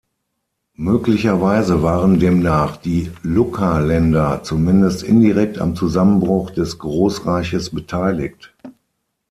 Möglicherweise waren demnach die Lukka-Länder zumindest indirekt am Zusammenbruch des Großreiches beteiligt.